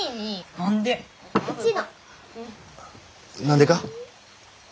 何でか？